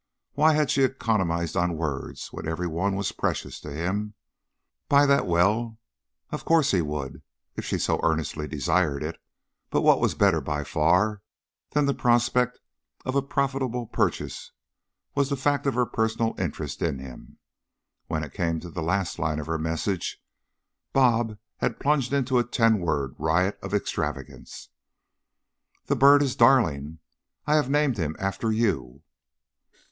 Why had she economized on words when every one was precious to him? Buy that well? Of course he would, if she so earnestly desired it. But what was better by far than the prospect of a profitable purchase was the fact of her personal interest in him. When it came to the last line of her message, "Bob" had plunged into a ten word riot of extravagance. "The bird is darling. I have named him after you."